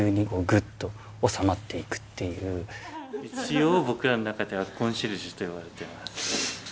一応僕らの中ではコンシェルジュと呼ばれています。